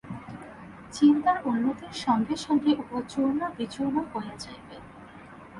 চিন্তার উন্নতির সঙ্গে সঙ্গে উহা চূর্ণ বিচূর্ণ হইয়া যাইবে।